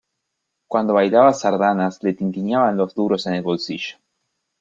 Cuando bailaba sardanas le tintineaban los duros en el bolsillo.